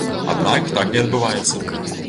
Аднак так не адбываецца.